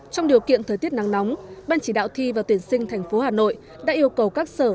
trong điều kiện thời tiết nắng nóng ban chỉ đạo thi và tuyển sinh thành phố hà nội đã yêu cầu các sở